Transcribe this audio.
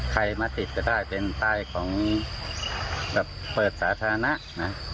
ใครมาติดก็ได้เป็นป้ายของแบบเปิดสาธารณะนะ